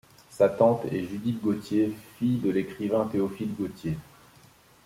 Sa tante est Judith Gautier, fille de l'écrivain Théophile Gautier.